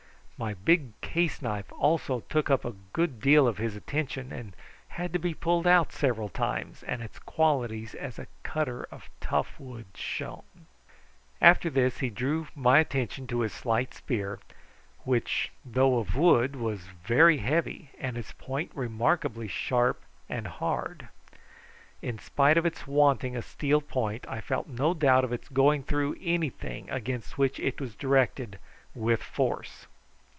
My big case knife also took up a good deal of his attention and had to be pulled out several times and its qualities as a cutter of tough wood shown. After this he drew my attention to his slight spear, which, though of wood, was very heavy, and its point remarkably sharp and hard. In spite of its wanting a steel point I felt no doubt of its going through anything against which it was directed with force.